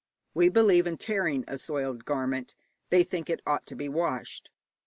We believe in tearing a soiled garment; they think it ought to be washed.